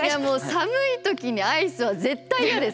寒い時にアイスは絶対嫌です。